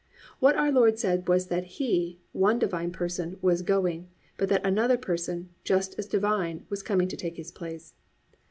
What our Lord said was that He, one Divine Person, was going, but that another Person, just as Divine, was coming to take His place.